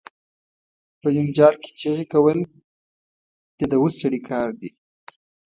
په جنجال کې چغې کول، د دووث سړی کار دي.